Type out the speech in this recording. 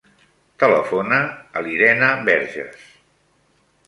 Telefona a l'Irene Verges.